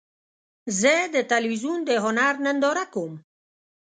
زه د تلویزیون د هنر ننداره کوم.